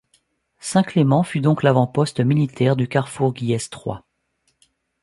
Saint-Clément fut donc l'avant-poste militaire du carrefour guillestrois.